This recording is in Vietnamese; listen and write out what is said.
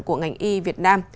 của ngành y việt nam